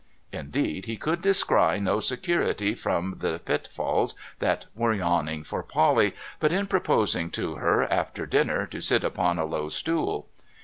' Indeed, he could descry no security from the pitfalls that were yawning for Polly, but in proposing to her, after dinner, to sit upon a low stool.